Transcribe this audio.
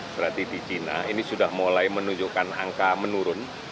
berarti di china ini sudah mulai menunjukkan angka menurun